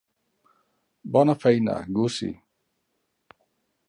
Bona feina, Gussie.